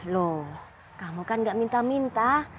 loh kamu kan gak minta minta